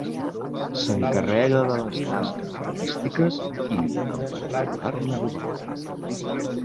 S'encarrega de les tasques domèstiques i en particular la bugada.